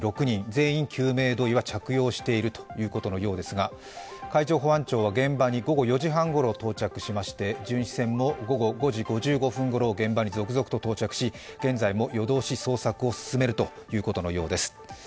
全員、救命胴衣は着用しているということのようですが、海上保安庁は現場に午後４時半ごろ到着しまして巡視船も午後５時５５分ごろ、現場に続々と到着し、現在も夜通し捜索を進めるということのようです。